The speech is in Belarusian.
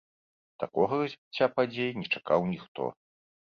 Такога развіцця падзей не чакаў ніхто.